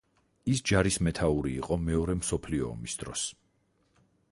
ის ჯარის მეთაური იყო მეორე მსოფლიო ომის დროს.